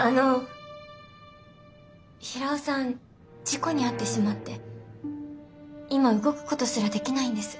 事故に遭ってしまって今動くことすらできないんです。